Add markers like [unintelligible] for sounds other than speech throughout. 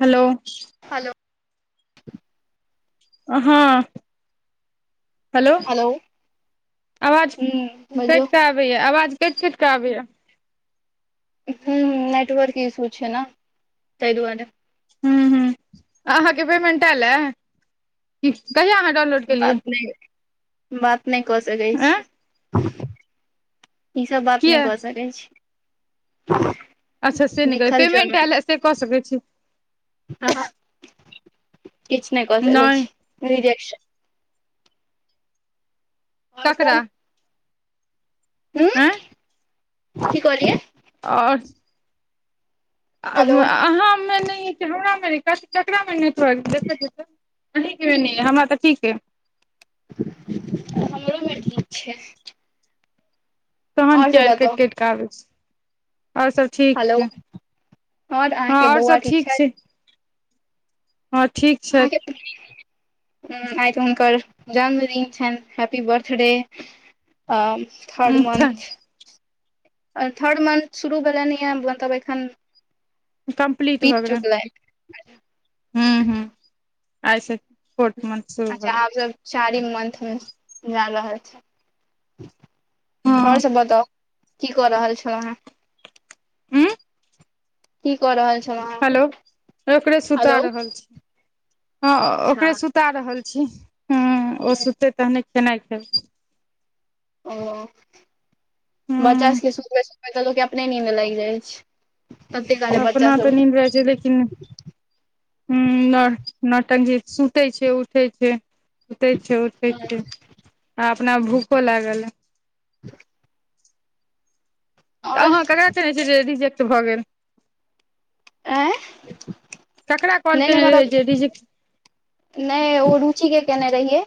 Hello hello [inaudible] अ हँ hello आवाज हूँ बजियौ कैट कऽ आबैय आवाज कैट कैट कऽ आबैय हुँ नेटवर्क इश्यू छै नऽ तैय दुआरे हुँ हुँ अहाँकेँ पेमेंट एल ए हुँ कहिया अहाँ डाउनलोड बात केलियै नय बात नय कऽ सकै आँय छी ई सब बात नइ किया कऽ सकै छी अच्छऽ से नय करै लिखल छै पेमेंट ओहिमे एल ऐ से कऽ सकै छी किछ नय कऽ सकै नहि छी रिजेक्शन ककरा आँय हुँ की कहलियै आओर आ हेलो अहाँ मे नय यऽ की हमरा मे नय कथि ककरा मे नेटवर्क देखऽ दिअ तऽ अही केँ मे नय ये हमरा तऽ ठीक अइ हमरो मे ठीक छै तहन आओर सब किया कैट बताउ - कैट कऽ आबै छै आओर सब ठीक हेलो छै आओर हँ अहाँके आओर बौआ सब ठीक छै हँ ठीक छैथ हुँ आइ तऽ हुनकर जन्मदिन छैन हैप्पी बर्थडे तऽ थर्ड छथि मन्थ थर्ड मन्थ शुरू भेलनि यँ मतलब एखन [inaudible] बीत चुकलैन हुँ हुँ आइ सँ फोर्थ मन्थ शुरू भऽ अच्छा आब भेलै सब चारिम मंथ मे जाय रहल छै हँ आओर सब बताउ की कऽ रहल छौ अहाँ [inaudible] की कऽ रहल छलँँऊ अहाँ हेलो ओकरे सुता रहल छी हँ अच्छा ओकरे सुता रहल छी हुँ ओ सुतते तहने खेनाइ खेबै ओ बच्चा सभ केँ हूं सुतबैत सुतबैत लोक केँ अपने नींद लाइग जाइ छै तते काले बच्चा अपना तऽ सब नीन्द रहै छै लेकिन हुँ न नौटंकी सुते छै उठै छै सुतै छै उठै छै आ अपना भूखो लागल अ [inaudible] तऽ आओर अहाँ ककरा छिये जे रिजेक्ट भऽ गेल आँय ककरा कॉल केने रहिये जे रिजेक्ट नय ओ रुचि केँ केने रहियै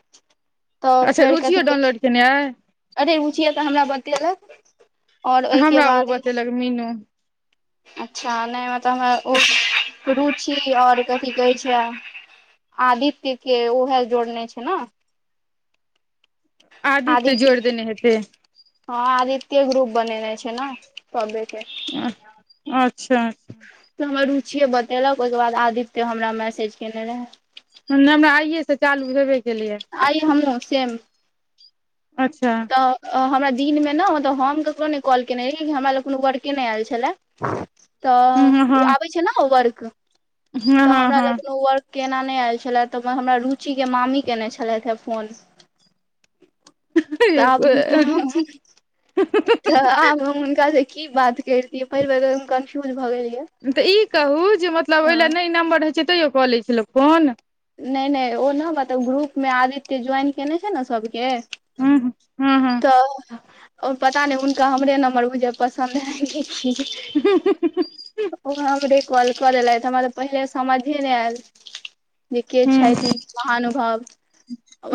तऽ अच्छा फेर कथी रुचियो कहैय डाउनलोड केने छै अइ अरे रूचिए तऽ हमरा बतेलक आओर ओइ केँ हमरा ओ बाद बतेलक मीनू अच्छा नय मतलब हमरा ओ रुचि आओर कथि कहै छै आदित्य केँ ओहै जोड़ने छै नऽ आदित्य जोइड़ देने हेतै हँ आदित्य ग्रुप बनेने छै नऽ सबे केँ [unintelligible] अच्छा तऽ हमर रुचिए बतेलक ओइकेँ बाद आदित्य हमरा मैसेज केयने रहै सुन न हमरा आइये से चालू भेबे केलै यै आइ हमहुँ सेम अच्छ हमरा दिनमे न ओत हम ककरो नै कॉल केने रहि हमरा लग कोनो वर्के नै आयल छलै हँ तऽ हँ आबै छै न ओ वर्क [inaudible] हँ तऽ हँ हमरा हँ लगन कोनो वर्क केना नै आयल छलै तऽ हमरा रुचि केँ मामी कयने छलैथ है फोन तब [unintelligible] रुचि तऽ आब हम हुनका से की बात केरतियै पहिल बेर कन्फ्यूज भए गेलये तऽ ई कहू जे मतलब ओइ लऽ नै नम्बर रहै छै तैयो कऽ लैत छै लोक फोन नै नै ओ न मतलब ग्रुपमे आदित्य ज्वाइन कयने छै न सभ केँ [unintelligible] तऽ [inaudible] ओ पता नै हुनका हमरे नम्बर बुझलिए पसन्द भैऽ गेलय [unintelligible] ओ हमरे कॉल कऽ लेलैथ हमरा पहिले समझे नै ऐल जे केँ हूँ छथि ई महानुभाव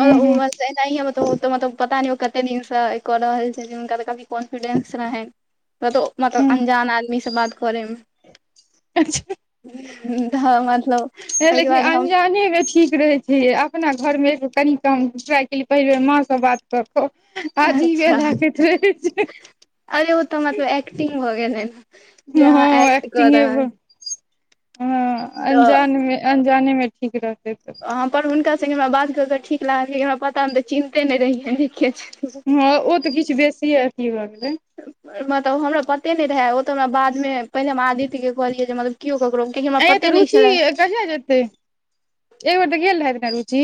हूँ हूँ एनाहि मतलब पता ने कते दिन से क रहल छथिन हुनका तऽ काफी कॉन्फिडेंस रहेैन [unintelligible] कतौ मतलब हूँ अंजान आदमी से बात करै म [inaudible] [unintelligible] [unintelligible] तऽ मतलब आइ केँ बाद हम अजाने कऽ ठीक रहैत छै यै अपना घरमे कनि कम ट्राई पहिले माँ स बात [unintelligible] अजीबे अच्छा लागैत रहै छै अरे ओ तऽ मतलब एक्टिंग भऽ गेलै जे हऽ अहाँ हऽ एक्ट कऽ एक्टिंगे रहल भऽ [inaudible] ह तऽ अंजान में अनजाने में ठीक रहतै तऽ हँ पर हुनका संगे हमरा बात कर कऽ ठीक लागल किया की हमरा पता नै तऽ चिन्हते नै रहियै केँ छी हँ ओ तऽ किछ बेसिये अथी भऽ गेलै मतलब हमरा पते नै रहै ओ तऽ हमरा बादमे पहिने हम आदित्य केँ कहलियै जे मतलब कियो ककरो कियाकि हमरा आँये तऽ पते नहि रुचि छलै कहिया जेतै [inaudible] एक बेर तऽ गेल रहैथ ने रुचि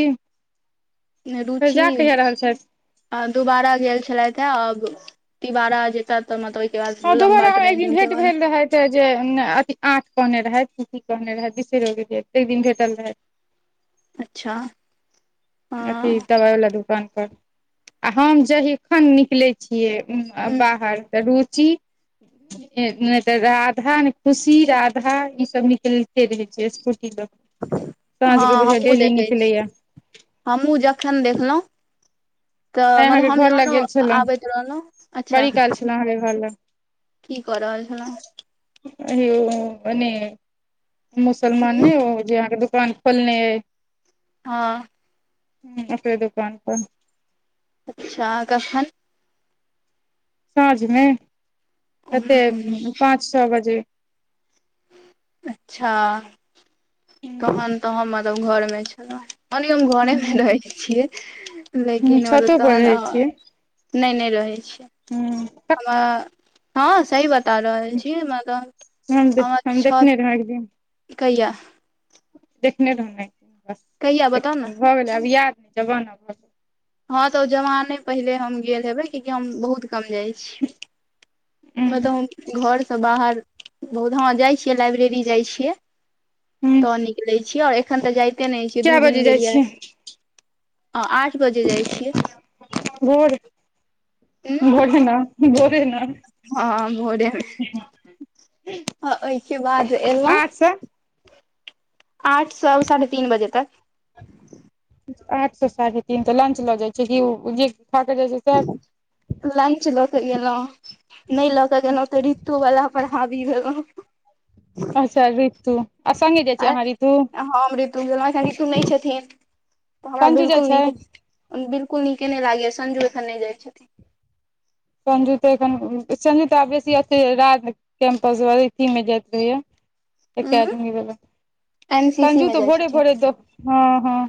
[inaudible] फेर जा कहिया रहल छैथ आ दुबारा गेल छलैथ है आब [inaudible] तिबारा जे तब तऽ मतलब ओय केँ बाद लम्बा ट्रेंनिंग केँ बारेमे छै जे अथि आठ कहने रहैथ कि कि कहने रहैथ बिसैरो गेलि ताइ दिन भेटल रहेथ अच्छा हँ अथी दवाइ वाला दुकान पर [inaudible] आ हम जहिखन निकलै छिमै बाहर तऽ रुचि [inaudible] नै तऽ राधा नै तऽ खुशी राधा ई सब निकलते रहै छै स्कूटी लऽ क सांझ कऽ बुझाइ डेली निकलै य हमहुँ जखन देखलौ तऽ आइ मतलब अहाँके हम घर लग जहनो गेल छलहुँ आबैत रहलौ अच्छा [unintelligible] की कऽ रहल छलोउ मने मुसलमान ने ओ जे अहाँके दुकान फँलने अइ हाँ हूँ ओकरे दुकान पर अच्छा अहाँ एखन। साँझमे कतेक हूँ पाँच छओ बजे। अच्छा तहन तऽ हम मतलब घरमे छलहुँ। कनि हम घरेमे रहै छियै लेकिन मतलब छतो पर तहन रहै अं नहि नहि रहै छियै। हूँ हमरा हाँ सही बता रहल छी मलब हमर छ- [unintelligible] [unintelligible] देखने रहूँ न भऽ कहिया बताउ ने गेलै अब याह के जमाना भऽ गेलै। हाँ तऽ ओ जमान ने पहिले हम गेल हेबै किया की हम बहुत कम जाइ छी। ओत त हम घर से बाहर बहुत हाँ जाय छियै लाइब्रेरी जाय छियै तऽ निकलै छियै आओर एखन तऽ जाइते नहि छियै दू कए बजे दिन जाइ गेलियै या छियै हाँ अ-आठ बजे जाइ छियै। भोर। भोरे ना भोरे ना हँ हाँ ओहिके बाद एलहुँ। सँ आठ स- साढ़े तीन बजे तक। आठ स साढ़े तीन तऽ लंच लऽ जाइ छै जे- उ- खा- कऽ जाइ छै साह लंच लऽ के गेलहुँं नहि लऽ के गेलहुँ तऽ ऋतु वाला पर हाबी भेलहूँ अच्छा रितु आ सङगे जाइ छी अहाँ ऋतु। हम ऋतु गेलहूँ एखन ऋतु नहि छथिन तऽ हमरा संजू जाइ बिल्कुल छै नीक बिल्कुल नीके नहि लागैया संजू एखन नहि जाय छथिन। संजु तऽ एखन संजु तऽ आ बेसी अते राज कैंपस अथीमे जाइत रहैया उं एकैडमी वला। एन सी सीमे जाइ छथिन हँ हँ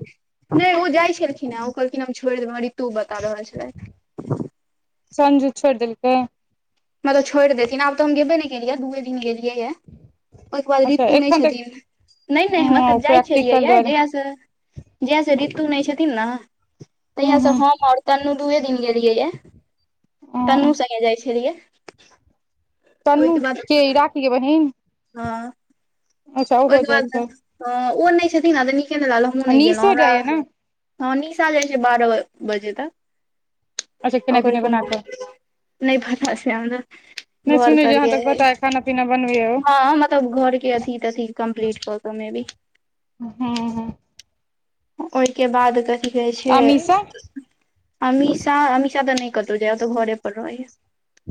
नहि ओ जाइ छलखिन हें ओ। कि न हम छोड़ि देबै हमरा ऋतु बता रहल छलै संजू छोड़ि देलकै। मतलब छोड़ि देथिन आब तऽ हम गेबै ने केलियै या दूए दिन गेलियै या ओहिके बाद अच्छा ऋतु नहि एखन तऽ छथिन नहि नहि हमरा हँ तब जाइ छलियै प्रैक्टिकल या दुआरे जहिंया सँ जहिंया सँ ऋतु नहि छथिन ने तहिया हूँ स हूँ हम आओर तन्नु दूयए दिन गेलियै या हँ तनू संगे जाइ छलियै तनू के ई राखीके बहिन। हाँ अच्छा ओहो ओहिके जाइ छै बाद हाँ ओ नहि छथिन ने तऽ नीके नहि लागल हमहूँ आ नहि गेलहुँ निशो हमरा जाइया ने हाँ निशा जाइ छै बारह बजे अच्छा तक खेनाइ ओकर पिनाइ बना कोनो। कऽ नहि पता छै हमरा नहि घर सुनै जे अहाँ तरके तक पता अइ खाना पीना बनबैया ओ हाँ मतलब घरके अथि [unintelligible] हूँ हूँ [unintelligible] ओहि बाद कथि जाइ आ छियै मीशा अमीशा अमीशा तऽ नहि कतौ जाइ ओतऽ घरे पर रहैया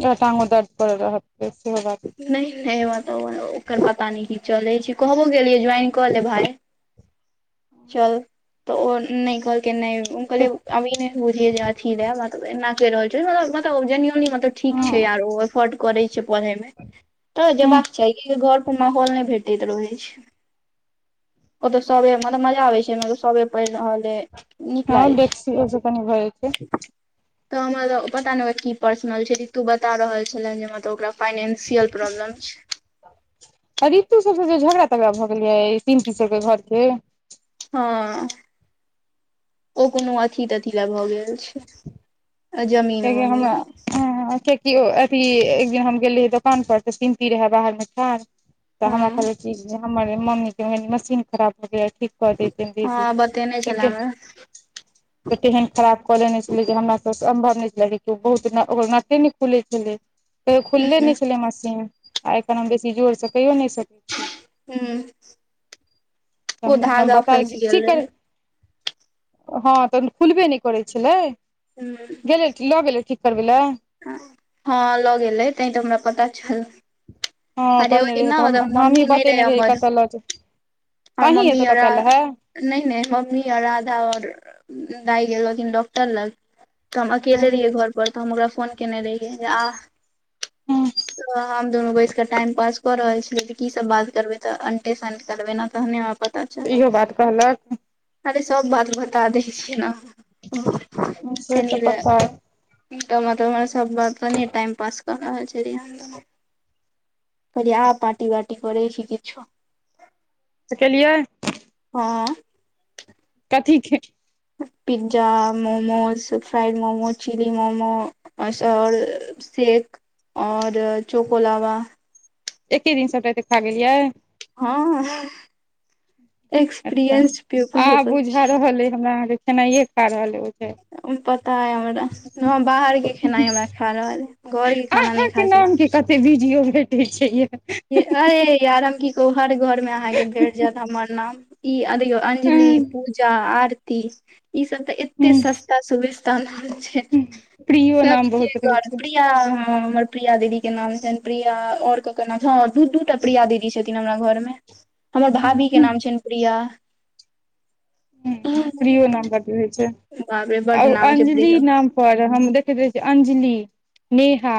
ऐं टांगो दर्द कर रहतै सेहा बात। नहि नहि म तब ओकर पता नहि की चलैत छै कहबो कियै ज्वाइन कऽ ले भाय। [unintelligible] चल तऽ ओ नहि कहल के नाइ। कहल अभी बुझिये जे अथी ले मलब एना कऽ रहल छ मतलब तऽ ठीक छै हँ आर ओ एफोर्ड करै छै। े मे तऽ हँ जेयबाक चाही घर पर माहौल नहि भेटैत रहैत छै। ओतऽ सबे मतलब मजा आबे छै सबे पढ़ि रहल अइ नीक हँ लागै छै देखसी ओ सऽ कनी भऽ छै। तऽ हमर पता नहि की पर्सनल छैी तू बता रहल छले जे हमतलब ओकरा। फाइनेंसियल प्रॉब्लम छै आ ऋतु सब जे झगड़ा तगड़ा भऽ गेल य तीन तीन सब के घर के हँ ओ कोनो अथी तथी लए भऽ गेल छै जमीन [unintelligible] हमरा वमीन ह कियकि अथी एक दिन हम गेलरहियइ दोकान पर तऽ कीनती रहे बाहर मे ठाड़ तऽ हँ हमरा कहलक जे हमर मम्मी के मशीन खराब भगेलया ठीक क दैतउ हँ बतेने छले दीदी हमरा [unintelligible] तेहन खराब कऽ लेने छले जे हमरा सब सम्भव नहि बहुत ओकर नटे नहि खुले छलै कहीरयो खुलले नहि छलै मशीन आ एखन हम बेसी जोर से कयो नहि सक हू ओ तऽ धागा बता फँसि गेल ठीक कर रहै हँ तऽ खुलबे नहि करै छलै हू [unintelligible] लऽ गेलै ठीक करबै लए हँ लग गेलै तैहि तऽ हमरा पता चलल हँ अरे ओय कहने दिन रहै तऽ हम नऽ हमहीँ मम्मी नहि बतेने रहै रहियै हमर कतऽ लऽ जेबै आओर अहीं मम्मी एतऽ लऽ ओर कऽ एल रहै आयल नहि नहि मम्मी आओर राधा आओर दाय गेल रहथिन डॉक्टर लग तऽ हम अकेले रहीयइ हँ घर पर तऽ हम ओकरा फोन केने रहियइ जे आ हम दुनु बैस कऽ त टाइम पास क रहल छै की सब बात करबे तऽ अंटे संट करबे ने तहने हमरा पता च तऽ इहो बात कहलक अरे सब बात बता दै छैय नऽ से तऽ पता यए तऽ मतलब सब बातनि टाइम पास कर रहल छै [unintelligible] कहलियइ आ पार्टी वार्टी करै छी किछो सेऽ केलियै हँ कथीे के pizza momos fried momos chilli momos और शेक और चोको लावा एके दिन सभटा अते खा गेलियै हँ अच्छा एक्सपीरियंस पीपल आ सब बुझा छी। रहल अइ हमरा अहाँके खेनाइए खा रहल अइ बुझाइया पता यइ हमरा बाहर के खेना ह हमरा खाय ल रहल यइ घर के खाना नऽ खा सक की कते बिडियो भेटे छै यै अरे यार हम की कहू हर घरमे अहाँके भेट जैत हमर नाम ई आ देखियौ अंजलि पूजा आरती ई सब तऽ एते सस्त सस्ता सुविस्ता नाम छै प्रियो नाम सबके बहुत रहै घर प्रिया हँ हमर प्रिया दीदी के नाम छनि प्रिया आओर ककर नाम छै हँ दू दू टा प्रिया दीदी छथिन हमर घर मे हमर भाभी के छै नाम छनि प्रिया हुँ हुँ प्रियो नाम बड्ड होइ छै बाप रे बड आब नाम छै अंजलि प्रिया नाम पर हम देखैत रहै छी अंजलि नेहा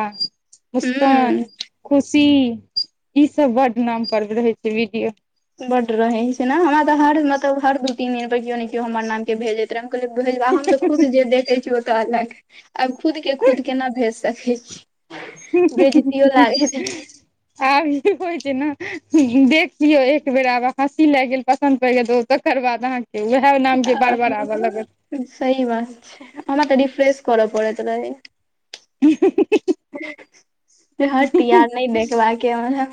मुस्कान हूं खुशी ई सब बड्ड नाम पर रहै छै वीडियो बड्ड रहै छै ने हमरा तऽ हर मतलब हर दू तीन दिन पर केओ ने केओ हमर नाम के भेजैत तऽ हम तऽ खुद जे देख अछि ओतऽ अलग आब खुद के खुद केना भेज सकै छी [inaudible] बेजतियो लागैत आब ई होइ छै न देख लियौ एक बेर आब हँसी लागि गेल पसन्द पड़ि गेल तऽ तकर बाद अहाँ के उएह नाम के बार बार आबऽ लागत सहि बात छै हमरा तऽ रिफ्रेश कर पड़त रहै [inaudible] जे हट्ट यार नय देखबाक ये हमरा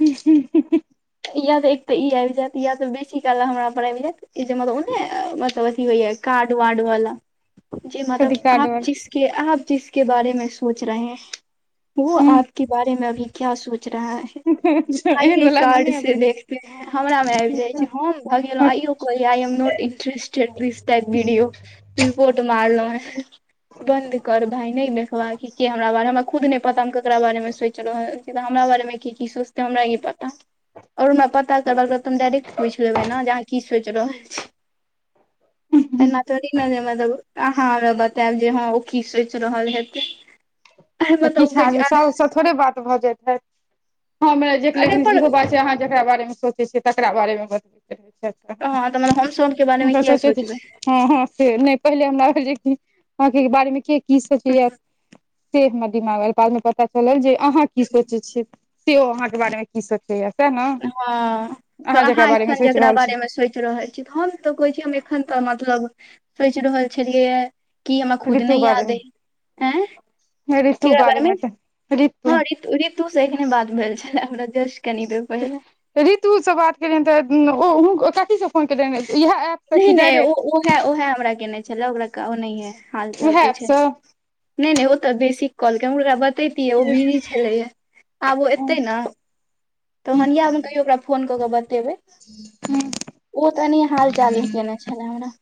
या तऽ एक तऽ ई आबि जैत या तऽ बेसी काल हमरा पर आबि जैत ई जे मतलब ओ नय मतलब अथी होइये काड वाड वाला जी मतलब कथी कार्ड वार [unintelligible] [unintelligible] अच्छा एहन बला [unintelligible] हमरामे आबि जाइ छै हम भगेलौं आइयो कहलियै [unintelligible] रिपोर्ट मारलौं बंन्द कर भाय नय देखबाक ये हमरा बारे हमरा खुद नय पता हम केकरा बारे मे सोचि रहल तऽ हमरा बारे मे की की सोचते हमरा की पता आओर हमरा पता करके रहत तऽ हम डायरेक्ट पूछि लेबै नऽ जे अहाँ की सोचि रहल छी एना थोड़ी न जे मतलब आह हँ हमरा बतायब जे हँ ओ की सोचि रहल हेतै अरे तऽ मतलब ओ किछु कहै छै आदमी आधा सबसँ थोड़े बात भऽ जाइत हैैत हम जे अरे लेब [unintelligible] पर इहो बात छै अहाँ जेकरा बारेमे सोचै छियै तकरा बारे मे बतबैत रहैत छथि हँ तऽ मतलब हमसब हुनके बारेमे किए सोचबै हँ हँ से नय पहिले हमरा भेल जे की अहाँके बारे मे के की सोचैय से हमरा दिमाग मे एल बादमे पता चलल जे अहाँ की सोचै छियै से अहाँके बारे मे की सोचैया हँ तऽ अहाँ बारेमे एखन सोचि जेकरा रहल छी बारेमे सोचि रहल छी तऽ हम तऽ कहै छी हम एखन तऽ मतलब सोचि रहल छेलियै ये की हमरा खुद ऋतु नय याद बारेमे अय ऐँ ऋतु केकरा बारेमे तऽ हँं ऋतु ऋतु से एखने बात भेल छलै हमरा जस्ट कनी देर पहिले ऋितुसँ बात केलियनि तऽ ओ हुन कथीसँ फोन केलियनि इएह ऐप नय नय ओ ओहे ओहे हमरा केने छलै ओकरा ओ नहिये हाल चाल उएह पुछै ले ऐपसँ नय नय ओ तऽ बेसिक काॅल के हम ओकरा बतैतियै ओ बिजि छेलैये आब ओ एतै ने तहन इहे मे कहियो ओकरा फोन कऽ के बतेबै ओ तनी हाल चाल ले केने छलै हमरा